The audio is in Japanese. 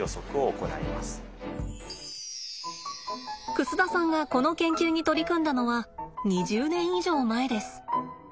楠田さんがこの研究に取り組んだのは２０年以上前です。